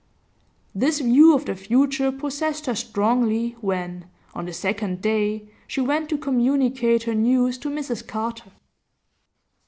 This view of the future possessed her strongly when, on the second day, she went to communicate her news to Mrs Carter.